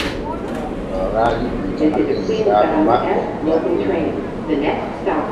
Tooraaji ɓuytanake yeeraaɓe maɓɓe nyanden mum.